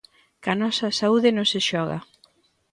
Coa nosa saúde non se xoga!